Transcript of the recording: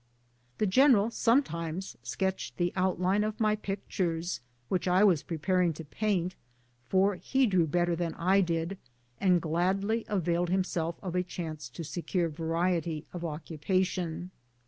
The general sometimes sketched the outline of my pictures, which I was preparing to paint, for he drew better than I did, and gladly availed himself of a chance to secure variety of occupation.